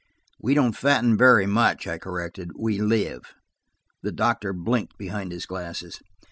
"We don't fatten very much," I corrected. "We live." The doctor blinked behind his glasses.